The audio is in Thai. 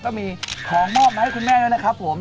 ก็มีของมอบมาให้คุณแม่ด้วยนะครับผม